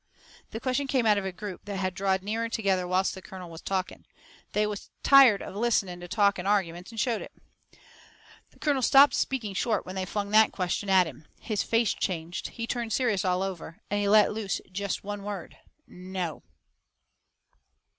The question come out of a group that had drawed nearer together whilst the colonel was talking. They was tired of listening to talk and arguments, and showed it. The colonel stopped speaking short when they flung that question at him. His face changed. He turned serious all over. And he let loose jest one word: "NO!"